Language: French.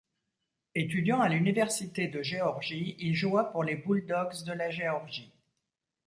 Étudiant à l'université de Géorgie, il joua pour les Bulldogs de la Géorgie.